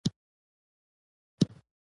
ډیجیټل سیستم د پيسو د ضایع کیدو مخه نیسي.